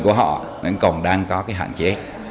của họ vẫn còn đang có cái hạn chế